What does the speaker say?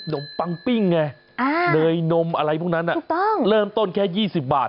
มปังปิ้งไงเนยนมอะไรพวกนั้นเริ่มต้นแค่๒๐บาท